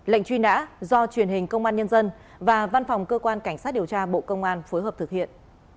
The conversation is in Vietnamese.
lệnh truy nã do truyền hình công an nhân dân và văn phòng cơ quan cảnh sát điều tra bộ công an phối hợp thực hiện